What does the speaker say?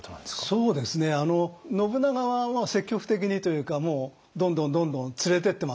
そうですね信長は積極的にというかどんどんどんどん連れてってますね。